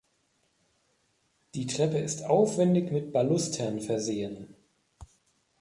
Die Treppe ist aufwendig mit Balustern versehen.